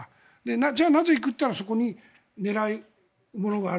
じゃあなぜ行くかといったらそこに狙うものがある。